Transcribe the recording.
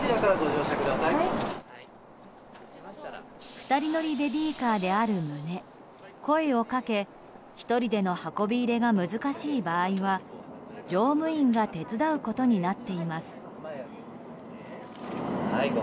２人乗りベビーカーである旨声をかけ１人での運び入れが難しい場合は乗務員が手伝うことになっています。